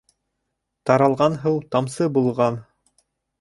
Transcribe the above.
Таралған һыу тамсы булған.